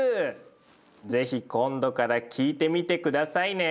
是非今度から聞いてみて下さいね。